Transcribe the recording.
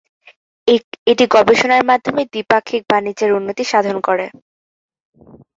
এটি গবেষণার মাধ্যমে দ্বিপাক্ষিক বাণিজ্যের উন্নতি সাধন করে।